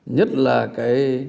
nhất là cái